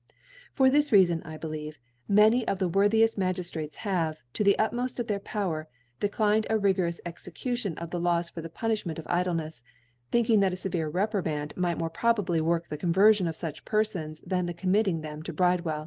For this Reitfon, I beh'eve, many of the worthieft Magiftrates have, to the utmoft of their Power, declined a rigorous Execu tion of the Laws for the Punifliment of Idlenefs, thinking that a feyere Reprimand might more probably work the Cdnverfion of fuch Pcrfons than the committing them to BridemeU.